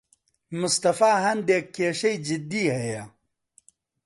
مستەفا هەندێک کێشەی جددی هەیە.